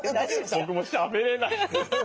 僕もうしゃべれない。